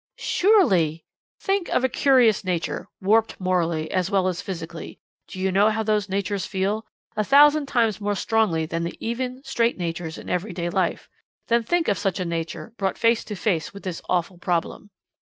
"Surely " "Think of a curious nature, warped morally, as well as physically do you know how those natures feel? A thousand times more strongly than the even, straight natures in everyday life. Then think of such a nature brought face to face with this awful problem.